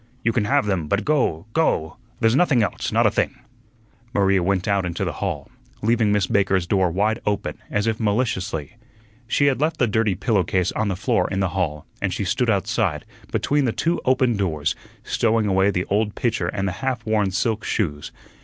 You can have them; but go, go. There's nothing else, not a thing." Maria went out into the hall, leaving Miss Baker's door wide open, as if maliciously. She had left the dirty pillow case on the floor in the hall, and she stood outside, between the two open doors, stowing away the old pitcher and the half worn silk shoes.